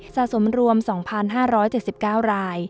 สะสมรวม๒๕๗๙ราย